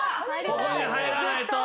ここに入らないと。